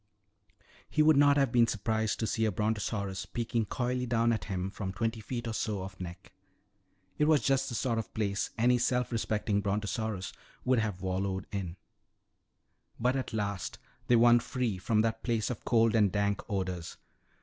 He would not have been surprised to see a brontosaurus peeking coyly down at him from twenty feet or so of neck. It was just the sort of place any self respecting brontosaurus would have wallowed in. But at last they won free from that place of cold and dank odors.